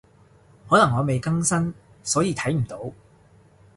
可能我未更新，所以睇唔到